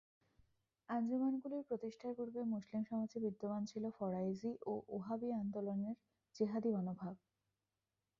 আঞ্জুমানগুলির প্রতিষ্ঠার পূর্বে মুসলিম সমাজে বিদ্যমান ছিল ফরায়েজী ও ওহাবী আন্দোলনের জেহাদি মনোভাব।